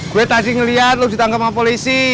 gue tadi ngeliat lo ditangkap sama polisi